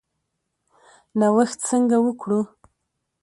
نوښت څنګه وکړو؟